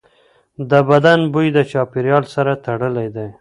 د بدن بوی د چاپېریال سره تړلی دی.